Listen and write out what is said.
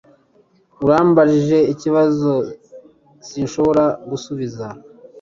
Urambajije ikibazo sinshobora gusubiza.